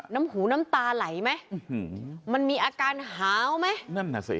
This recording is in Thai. น้ำหูน้ำตาไหลไหมมันมีอาการหาวไหมนั่นน่ะสิ